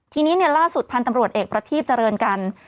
ทีนี้ล่าสุดพันธ์ตำรวจเอกประทีบเจริญกัน